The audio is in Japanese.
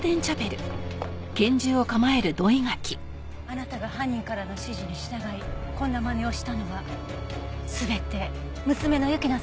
あなたが犯人からの指示に従いこんなまねをしたのは全て娘の雪菜さんを守るため。